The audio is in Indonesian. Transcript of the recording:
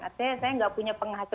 artinya saya gak punya penghasil